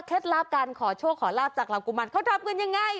ลับการขอโชคขอลาบจากเหล่ากุมารเขาทำกันยังไง